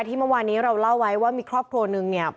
เมื่อวานนี้เราเล่าไว้ว่ามีครอบครัวนึงเนี่ย